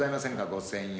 ５，０００円。